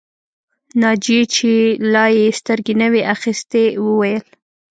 ناجيې چې لا يې سترګې نه وې اخيستې وویل